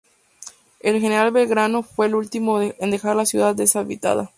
El general Belgrano fue el último en dejar la ciudad deshabitada.